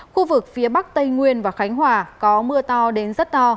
khu vực phía bắc tây nguyên và khánh hòa có mưa to đến rất to